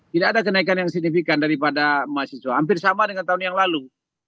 tidak ada kenaikan yang signifikan daripada mahasiswa hampir sama dengan tahun yang lalu